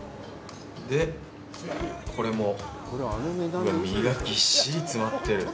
で、これもうわ、身がぎっしり詰まってる。